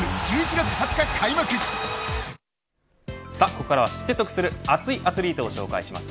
ここからは知って得する熱いアスリートを紹介します。